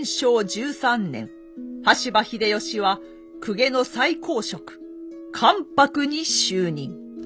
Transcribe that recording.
１３年羽柴秀吉は公家の最高職関白に就任。